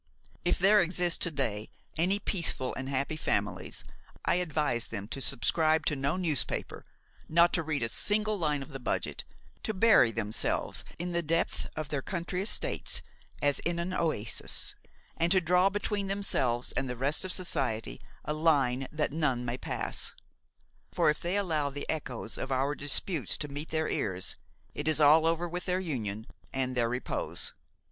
If there exist to day any peaceful and happy families, I advise them to subscribe to no newspaper; not to read a single line of the budget, to bury themselves in the depth of their country estates as in an oasis, and to draw between themselves and the rest of society a line that none may pass; for, if they allow the echoes of our disputes to meet their ears, it is all over with their union and their repose.